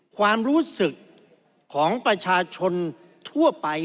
ความรู้สึกของประชาชนทั่วไป